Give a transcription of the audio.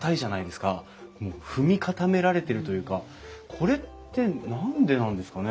もう踏み固められてるというかこれって何でなんですかね？